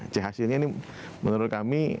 j hasilnya ini menurut kami